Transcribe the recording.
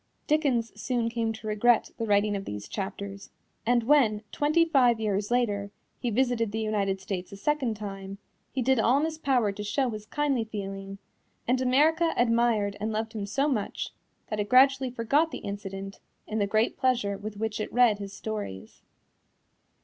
Dickens soon came to regret the writing of these chapters, and when, twenty five years later, he visited the United States a second time, he did all in his power to show his kindly feeling, and America admired and loved him so much that it gradually forgot the incident in the great pleasure with which it read his stories.